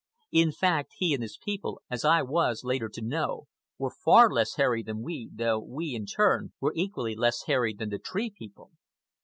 In fact, he and his people, as I was later to know, were far less hairy than we, though we, in turn, were equally less hairy than the Tree People.